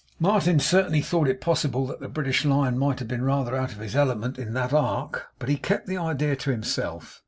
Martin certainly thought it possible that the British Lion might have been rather out of his element in that Ark; but he kept the idea to himself.